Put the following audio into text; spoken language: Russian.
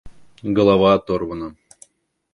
Голова оторвана.